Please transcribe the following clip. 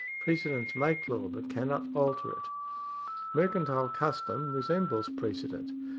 Precedents make law, but cannot alter it. Mercantile custom resembles precedent.